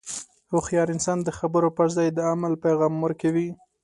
هوښیار انسان د خبرو پر ځای د عمل پیغام ورکوي.